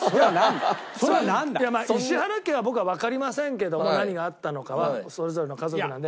石原家は僕はわかりませんけども何があったのかはそれぞれの家族なんで。